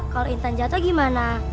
kalau intan jatuh gimana